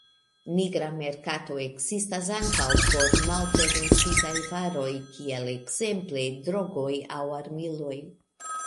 Nigra merkato ekzistas ankaŭ por malpermesitaj varoj kiel ekzemple drogoj aŭ armiloj.